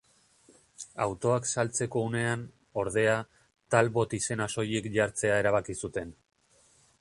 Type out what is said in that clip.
Autoak saltzeko unean, ordea, Talbot izena soilik jartzea erabaki zuten.